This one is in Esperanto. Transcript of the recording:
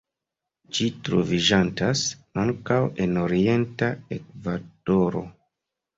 Ĝi troviĝantas ankaŭ en orienta Ekvadoro.